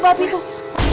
itu babi tuh